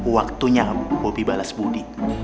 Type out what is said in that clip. waktunya bobby balas budi